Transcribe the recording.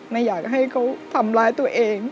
ไม่อยากให้เขาทำร้ายตัวเอง